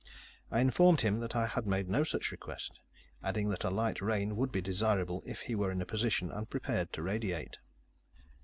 I informed him that I had made no such request, adding that a light rain would be desirable if he were in position and prepared to radiate.